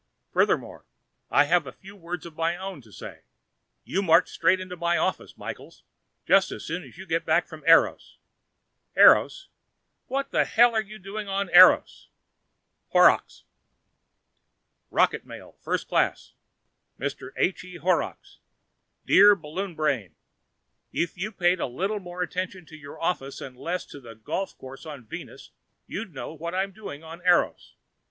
Furthermore, I have a few words of my own to say. You march straight into my office, Michaels, just as soon as you get back from Eros. Eros? WHAT IN HELL ARE YOU DOING ON EROS? Horrocks ROCKET MAIL (First Class) Mr. H. E. Horrocks Dear Balloon Brain: If you paid a little more attention to your office and less to that golf course on Venus, you'd know what I am doing on Eros.